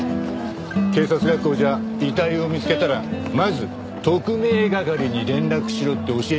警察学校じゃ遺体を見つけたらまず特命係に連絡しろって教えてるんですかねえ？